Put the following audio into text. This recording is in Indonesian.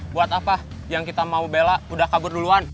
buat apa yang kita mau bela udah kabur duluan